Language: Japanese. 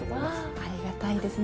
ありがたいですね。